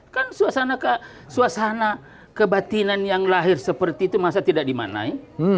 kan suasana kebatinan yang lahir seperti itu masa tidak dimanai